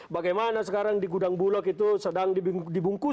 bagaimana sekarang di gudang bulog itu sedang dibungkus